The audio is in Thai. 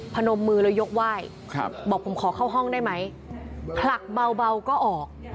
พนมมือแล้วยกไหว้บอกผมขอเข้าห้องได้ไหมผลักเบาก็ออก